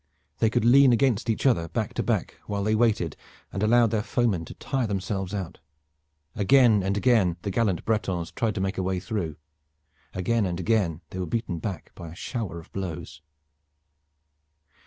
They could lean against each other back to back while they waited and allowed their foemen to tire themselves out. Again and again the gallant Bretons tried to make a way through. Again and again they were beaten back by a shower of blows.